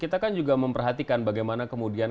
kita kan juga memperhatikan bagaimana kemudian